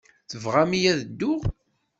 Tebɣam-iyi ad dduɣ?